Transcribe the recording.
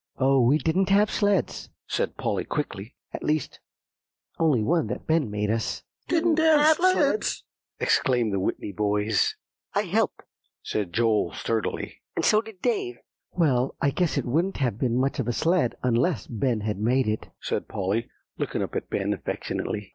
"Oh, we didn't have sleds!" said Polly quickly; "at least, only one that Ben made us." "Didn't have sleds!" exclaimed the Whitney boys. "I helped," said Joel sturdily; "and so did Dave." "Well, I guess it wouldn't have been much of a sled unless Ben had made it," said Polly, looking up at Ben affectionately.